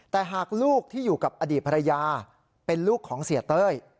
แต่หากลูกที่อยู่กับอดีตภรรยาเป็นลูกของเสียเต้ย